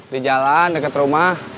di jalan dekat rumah